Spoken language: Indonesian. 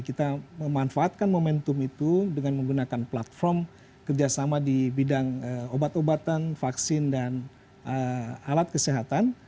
kita memanfaatkan momentum itu dengan menggunakan platform kerjasama di bidang obat obatan vaksin dan alat kesehatan